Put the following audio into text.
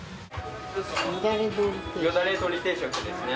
よだれ鶏定食ですね。